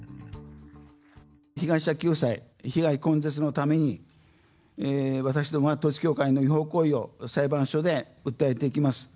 被害者救済、被害根絶のために、私どもは統一教会の違法行為を裁判所で訴えていきます。